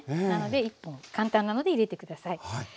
なので１本簡単なので入れて下さい。